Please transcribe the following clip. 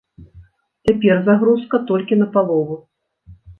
Цяпер загрузка толькі на палову.